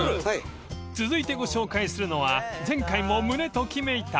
［続いてご紹介するのは前回も胸ときめいた